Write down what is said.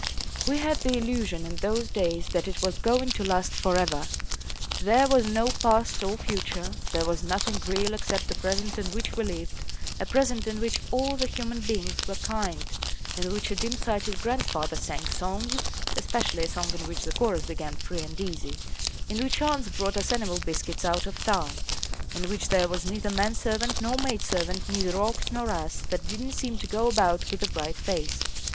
We had the illusion in those days that it was going to last for ever. There was no past or future. There was nothing real except the present in which we lived a present in which all the human beings were kind, in which a dim sighted grandfather sang songs (especially a song in which the chorus began "Free and easy"), in which aunts brought us animal biscuits out of town, in which there was neither man servant nor maid servant, neither ox nor ass, that did not seem to go about with a bright face.